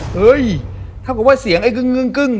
เฮ้ยถ้าบอกว่าเสียงไอ้กึ้ง